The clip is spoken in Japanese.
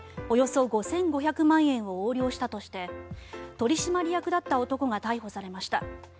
およそ５５００万円を横領したとして取締役だった男が逮捕されました。